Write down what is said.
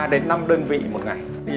ba đến năm đơn vị một ngày